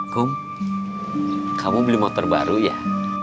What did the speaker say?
kum kamu beli motor baru ya